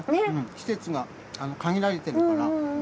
季節が限られてるから。